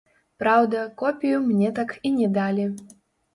Праўда, копію мне так і не далі.